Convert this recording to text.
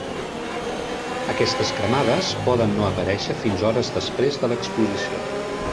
Aquestes cremades poden no aparèixer fins hores després de l'exposició.